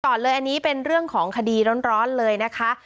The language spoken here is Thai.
ก่อนเลยอันนี้เป็นเรื่องของคดีร้อนเลยนะคะ